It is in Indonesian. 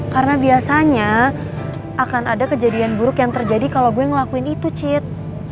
karena biasanya akan ada kejadian buruk yang terjadi kalau gue ngelakuin itu cid